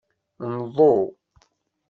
Nḍu.